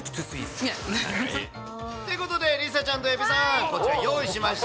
ということで、梨紗ちゃんとえびさん、こちら、用意しました。